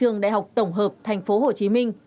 trường đại học tổng hợp tp hcm